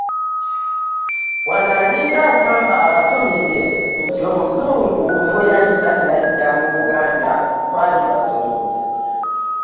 Wano alinga agamba abasomi be nti omuzungu ne bwe yali tanajja mu Buganda twali basomi.